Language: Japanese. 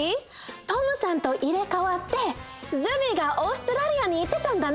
Ｔｏｍさんと入れかわってＺｕｂｙがオーストラリアに行ってたんだね。